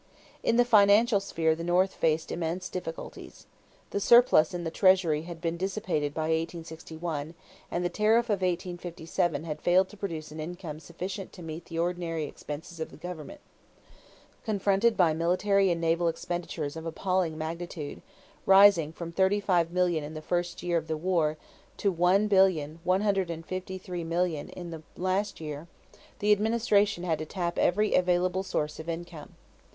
= In the financial sphere the North faced immense difficulties. The surplus in the treasury had been dissipated by 1861 and the tariff of 1857 had failed to produce an income sufficient to meet the ordinary expenses of the government. Confronted by military and naval expenditures of appalling magnitude, rising from $35,000,000 in the first year of the war to $1,153,000,000 in the last year, the administration had to tap every available source of income.